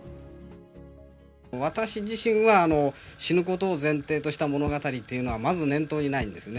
私自身が死ぬことを前提とした物語というのは、まず念頭にないんですね。